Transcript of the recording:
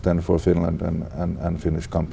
trong trường hợp